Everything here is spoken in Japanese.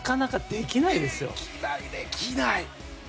できない、できない！